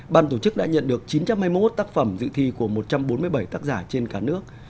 ban tổ chức đã nhận được chín trăm hai mươi một tác phẩm dự thi của một trăm bốn mươi bảy tác giả trên cả nước